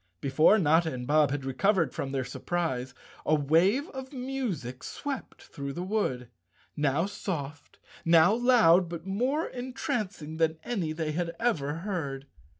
Before Notta and Bob had recovered from their surprise a wave of music swept through the wood, now soft, now loud, but more entrancing than any they had ever heard.